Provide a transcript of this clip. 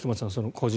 個人